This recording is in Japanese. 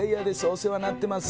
お世話になってます。